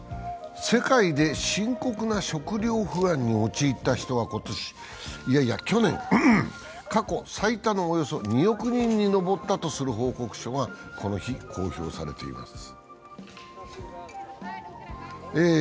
世界で深刻な食糧不安に陥った人は去年、過去最多のおよそ２億人に上ったとする報告書がこの日、公表されています。